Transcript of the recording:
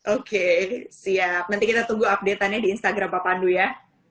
oke siap nanti kita tunggu update annya di instagram pak pandu ya